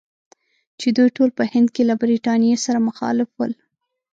چې دوی ټول په هند کې له برټانیې سره مخالف ول.